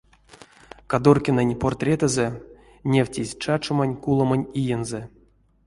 Кадоркинэнь портретэзэ, невтезь чачомань-куломань иензэ.